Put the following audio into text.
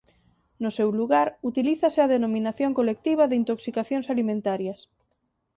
No seu lugar utilízase a denominación colectiva de intoxicacións alimentarias.